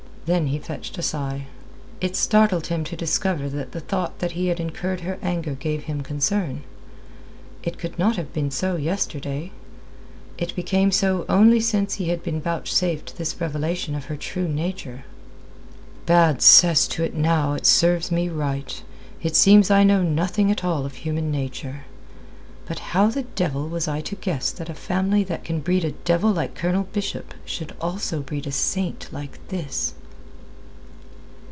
Then he fetched a sigh. It startled him to discover that the thought that he had incurred her anger gave him concern. It could not have been so yesterday. It became so only since he had been vouchsafed this revelation of her true nature. "Bad cess to it now, it serves me right. It seems I know nothing at all of human nature. But how the devil was I to guess that a family that can breed a devil like Colonel Bishop should also breed a saint like this?"